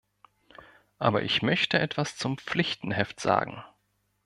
Aber ich möchte etwas zum Pflichtenheft sagen.